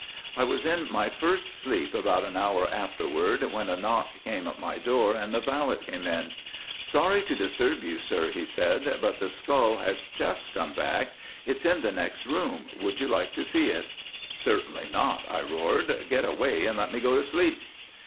I was in my first sleep about an hour afterwards, when a knock came at my door, and the valet came in. "Sorry to disturb you, sir," he said, "but the skull has just come back. It's in the next room. Would you like to see it?" "Certainly not," I roared. "Get away and let me go to sleep."